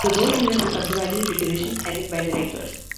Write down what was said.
Those units are subdivided into Divisions headed by Directors.